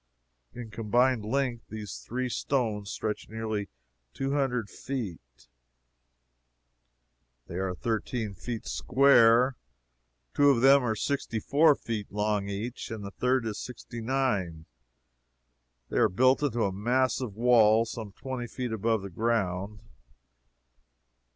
In combined length these three stones stretch nearly two hundred feet; they are thirteen feet square; two of them are sixty four feet long each, and the third is sixty nine. They are built into the massive wall some twenty feet above the ground.